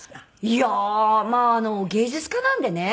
いやあまあ芸術家なんでね。